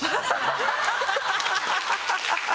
ハハハハ！